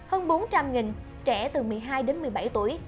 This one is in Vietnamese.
hơn bốn trăm linh trẻ từ một mươi hai đến một mươi bảy tuổi